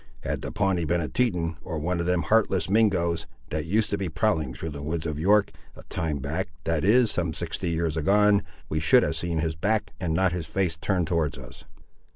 Had the Pawnee been a Teton, or one of them heartless Mingoes, that used to be prowling through the woods of York, a time back, that is, some sixty years agone, we should have seen his back and not his face turned towards us.